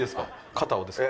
肩をですか？